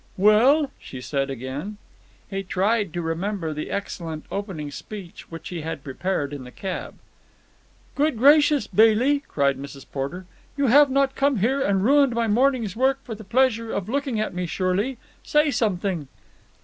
"Well?" she said again. He tried to remember the excellent opening speech which he had prepared in the cab. "Good gracious, Bailey!" cried Mrs. Porter, "you have not come here and ruined my morning's work for the pleasure of looking at me surely? Say something."